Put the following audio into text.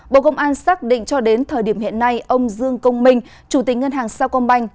bộ công an xác định cho đến thời điểm hiện nay ông dương công minh chủ tình ngân hàng sao công banh